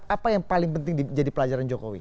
apa yang paling penting jadi pelajaran jokowi